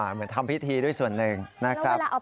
อ๋อเหมือนทำพิธีด้วยส่วนหนึ่งนะครับเหรอครับ